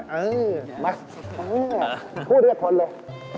งั้นมาพูดเรียกคนเลย